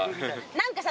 何かさ。